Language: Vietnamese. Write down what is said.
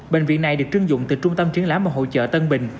bệnh viện này được trưng dụng từ trung tâm chiến lãm và hỗ trợ tân bình